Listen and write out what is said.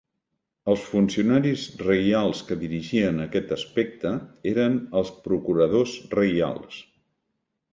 Els funcionaris reials que dirigien aquest aspecte eren els procuradors reials.